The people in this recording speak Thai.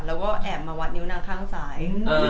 แล้วก็แอบมาวัดนิ้วนางข้างซ้าย